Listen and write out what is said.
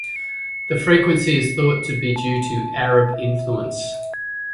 Their frequency is thought to be due to Arab influence.